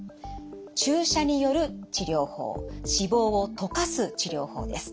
注射による治療法脂肪を溶かす治療法です。